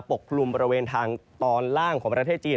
กลุ่มบริเวณทางตอนล่างของประเทศจีน